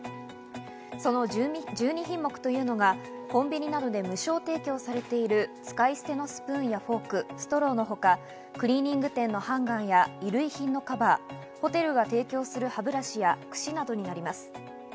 その１２品目というのが、コンビニなどで無償提供されている使い捨てのスプーンやフォーク、ストローのほか、クリーニング店のハンガーや衣類品のカバー、ホテルが提供する歯ブラシやくしなどになります。